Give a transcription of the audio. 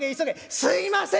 「すいません